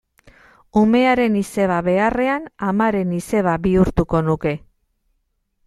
Umearen izeba beharrean, amaren izeba bihurtuko nuke.